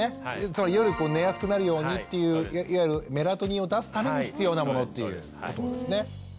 つまり夜寝やすくなるようにっていういわゆるメラトニンを出すために必要なものということですね。